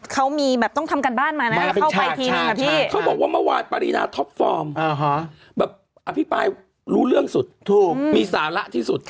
เขาบอกว่าเมื่อวานปริณาท็อปฟอร์มอภิปรายรู้เรื่องสุดมีสาระที่สุด